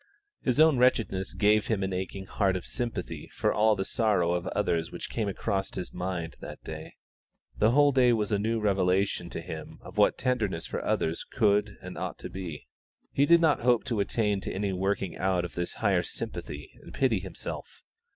His own wretchedness gave him an aching heart of sympathy for all the sorrow of others which came across his mind that day. The whole day was a new revelation to him of what tenderness for others could be and ought to be. He did not hope to attain to any working out of this higher sympathy and pity himself.